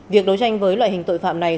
việc đối tranh với loại hình tội phạm này